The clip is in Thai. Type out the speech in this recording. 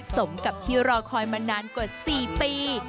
สมกับที่รอคอยมานานกว่า๔ปี